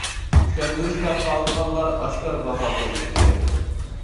چۈشەندۈرۈش ھەققى ئالىدىغانلار ئاشكارا باھا قويۇشى كېرەك.